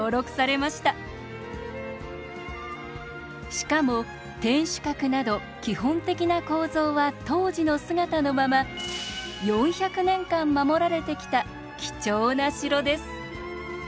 しかも天守閣など基本的な構造は当時の姿のまま４００年間守られてきた貴重な城です。